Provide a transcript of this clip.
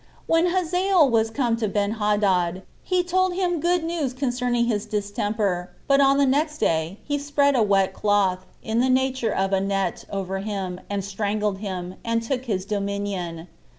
So when Hazael was come to Benhadad, he told him good news concerning his distemper 12 but on the next day he spread a wet cloth, in the nature of a net, over him, and strangled him, and took his dominion.